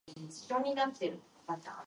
You take the butcher's position.